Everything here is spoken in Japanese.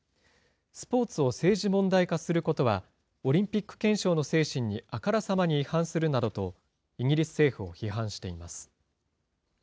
スポーツを政治問題化することは、オリンピック憲章の精神にあからさまに違反するなどと、イギリス政府を批判しています。